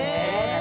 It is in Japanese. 何？